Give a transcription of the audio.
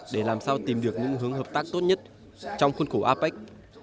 để làm sao tìm được những hướng hợp tác tốt nhất trong khuôn khổ apec